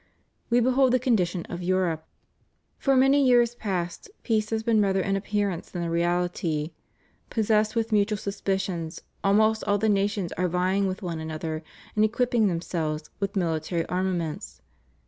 We behold the condition of Europe. For many years 316 THE REUNION OF CHRISTENDOM. past peace has been rather an appearance than a reality. Possessed with mutual suspicions, almost all the nations are \'ying with one another in equipping theniiselves "with military armaments.